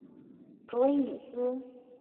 卓颖思。